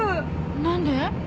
何で？